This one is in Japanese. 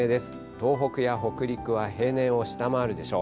東北や北陸は平年を下回るでしょう。